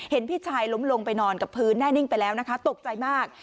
พี่ชายล้มลงไปนอนกับพื้นแน่นิ่งไปแล้วนะคะตกใจมาก